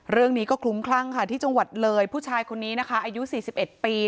เรื่องนี้ก็คลุ้มคลั่งค่ะที่จังหวัดเลยผู้ชายคนนี้นะคะอายุ๔๑ปี